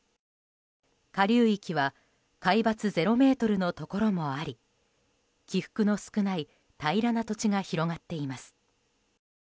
下流域は海抜０ｍのところもあり起伏の少ない平らな土地が広がっています。